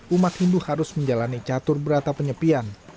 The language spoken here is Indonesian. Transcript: umat hindu harus menjalani catur berata penyepian